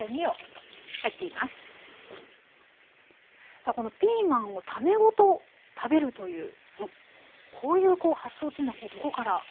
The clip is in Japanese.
さあこのピーマンを種ごと食べるというこういう発想というのはどこから？